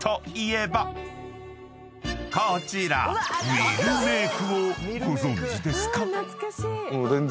［こちらミルメークをご存じですか？］